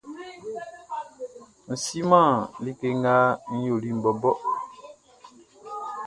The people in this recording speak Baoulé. N siman like nga n yoliʼn bɔbɔ.